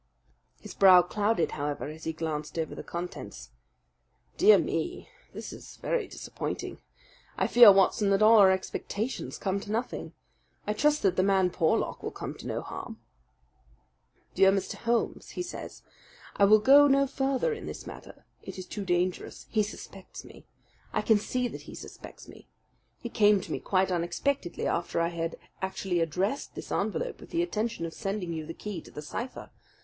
His brow clouded, however, as he glanced over the contents. "Dear me, this is very disappointing! I fear, Watson, that all our expectations come to nothing. I trust that the man Porlock will come to no harm. "DEAR MR. HOLMES [he says]: "I will go no further in this matter. It is too dangerous he suspects me. I can see that he suspects me. He came to me quite unexpectedly after I had actually addressed this envelope with the intention of sending you the key to the cipher.